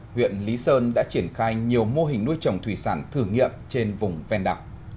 huyện lý sơn đã triển khai nhiều mô hình nuôi trồng thủy sản thử nghiệm trên vùng ven đảo